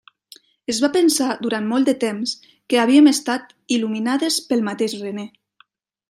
Es va pensar durant molt de temps que havien estat il·luminades pel mateix René.